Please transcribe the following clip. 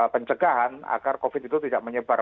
pencegahan agar covid itu tidak menyebar